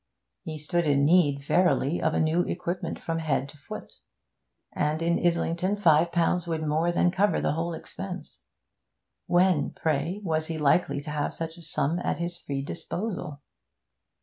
He stood in need, verily, of a new equipment from head to foot; and in Islington five pounds would more than cover the whole expense. When, pray, was he likely to have such a sum at his free disposal?